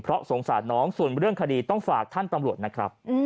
เพราะสงสารน้องส่วนเรื่องคดีต้องฝากท่านตำรวจนะครับ